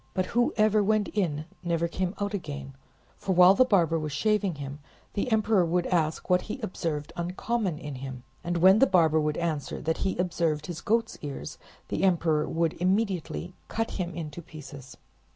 But whoever went in never came out again; for while the barber was shaving him, the emperor would ask what he observed uncommon in him, and when the barber would answer that he observed his goat's ears, the Emperor would immediately cut him into pieces.